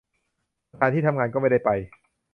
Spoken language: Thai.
สถานที่ทำงานก็ไม่ได้ไป